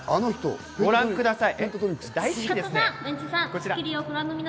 ご覧ください。